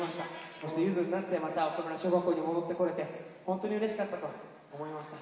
そして、ゆずになってまた岡村小学校に戻ってこれて本当にうれしかったと思いました。